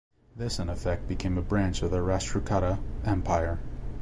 This in effect became a branch of the Rashtrakuta Empire.